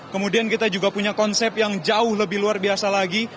kemudian kita juga punya konsep yang jauh lebih luar biasa lagi